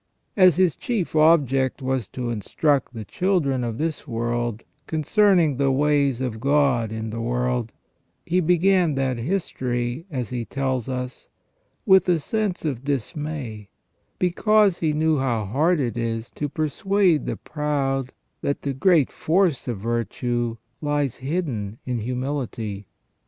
As his chief object was to instruct the children of this world concerning the ways of God in the world, he began that history, as he tells us, with a sense of dismay, because he knew how hard it is to persuade the proud that the great force of virtue lies hidden in humility.